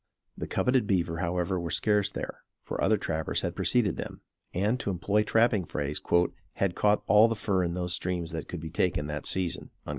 The coveted beaver however were scarce there, for other trappers had preceded them; and, to employ trapping phrase, "had caught all the fur in those streams that could be taken that season."